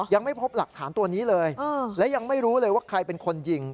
ยังไม่พบหลักฐานตัวนี้เลยและยังไม่รู้เลยว่าใครเป็นคนยิง